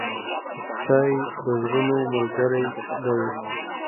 چای د زړونو ملګری دی.